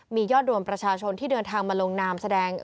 มียอดรวมประชาชนที่เดินทางมาลงนามแสดง